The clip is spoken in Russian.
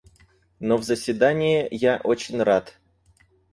Но в заседание я очень рад.